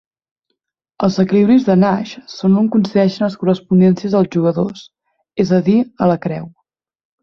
Els equilibris de Nash són on coincideixen les correspondències dels jugadors, és a dir, a la creu.